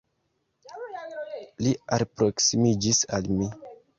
Li alproksimiĝis al mi.